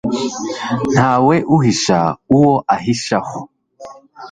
ntawe uhisha uwo ahishaho